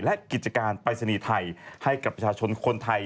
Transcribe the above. และกิจการปรายศนีย์ไทยให้กับประชาชนคนไทย